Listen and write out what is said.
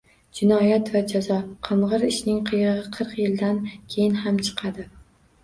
Jinoyat va jazo: “Qing‘ir ishning qiyig‘i qirq yildan keyin ham chiqadi”